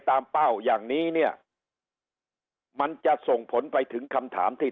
เป้าอย่างนี้เนี่ยมันจะส่งผลไปถึงคำถามที่